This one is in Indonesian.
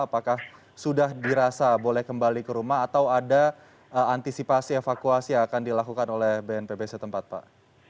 apakah sudah dirasa boleh kembali ke rumah atau ada antisipasi evakuasi yang akan dilakukan oleh bnpb setempat pak